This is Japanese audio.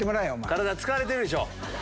体疲れてるでしょ